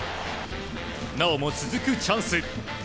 なおも続くチャンス。